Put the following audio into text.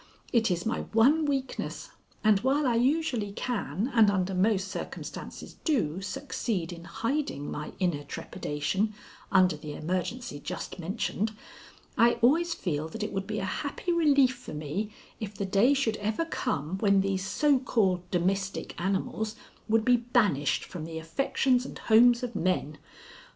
It is my one weakness, and while I usually can, and under most circumstances do, succeed in hiding my inner trepidation under the emergency just mentioned, I always feel that it would be a happy relief for me if the day should ever come when these so called domestic animals would be banished from the affections and homes of men.